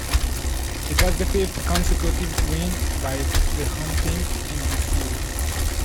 It was the fifth consecutive win by the home team in this Series.